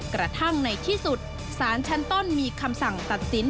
กระทั่งในที่สุดสารชั้นต้นมีคำสั่งตัดสิน